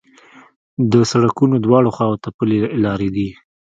د سړکونو دواړو خواوو ته پلي لارې دي.